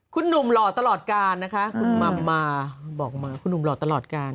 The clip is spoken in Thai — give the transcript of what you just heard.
คุณหนุ่มหล่อตลอดการนะคะคุณมัมมาบอกมาคุณหนุ่มหล่อตลอดการ